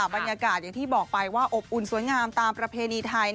บรรยากาศอย่างที่บอกไปว่าอบอุ่นสวยงามตามประเพณีไทย